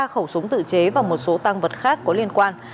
ba khẩu súng tự chế và một số tăng vật khác có liên quan